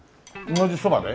同じそばで？